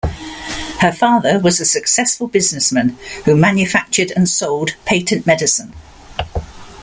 Her father was a successful businessman who manufactured and sold patent medicine.